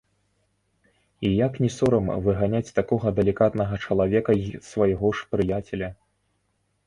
І як не сорам выганяць такога далікатнага чалавека і свайго ж прыяцеля.